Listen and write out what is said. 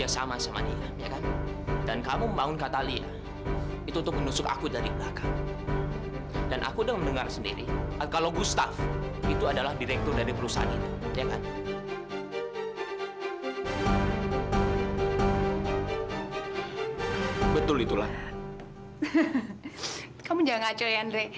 sampai jumpa di video selanjutnya